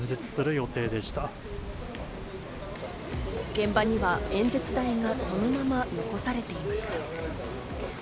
現場には演説台がそのまま残されていました。